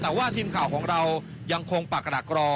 แต่ว่าทีมข่าวของเรายังคงปากกระดักรอ